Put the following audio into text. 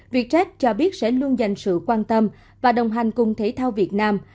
vietjet cho biết sẽ luôn dành sự quan tâm và đồng hành cùng thể thao việt nam